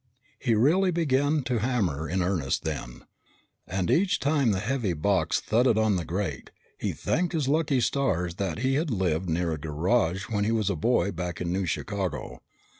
He really began to hammer in earnest then. And each time the heavy box thudded on the grate, he thanked his lucky stars that he had lived near a garage when he was a boy back in New Chicago.